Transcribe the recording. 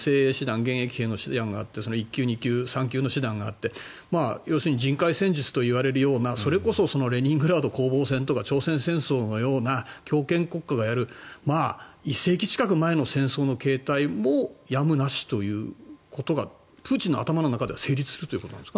現役兵の師団があって１級、２級、３級の師団があって人海戦術といわれるようなそれこそレニングラード攻防戦とか朝鮮戦争のような強権国家がやる１世紀近く前の戦争の形態もやむなしということがプーチンの頭の中では成立するということですか。